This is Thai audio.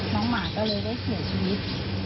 หมาก็เลยได้เสียชีวิต